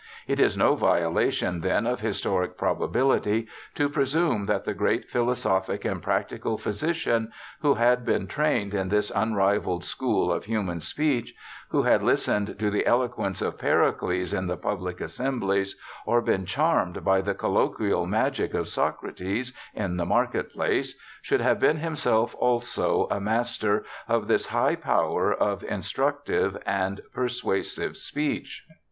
It is no violation, then, of historic probability, to presume that the great philosophic and practical physician — who had been trained in this unrivalled school of human speech — who had listened to the eloquence of Pericles in the public assemblies, or been charmed by the 'colloquial magic of Socrates', in the market place, should have been himself, also, a master of this high power of instructive and persuasive speech.